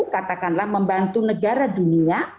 katakanlah membantu negara dunia